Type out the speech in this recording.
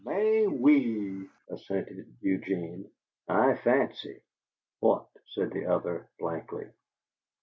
"Mais oui!" assented Eugene. "I fancy!" "What?" said the other, blankly.